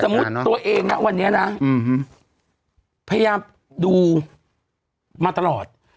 มุติตัวเองนะวันนี้นะพยายามดูมาตลอด